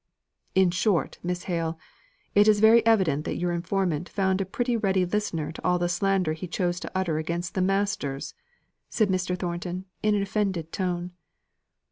"In short, Miss Hale, it is very evident that your informant found a pretty ready listener to all the slander he chose to utter against the masters," said Mr. Thornton, in an offended tone.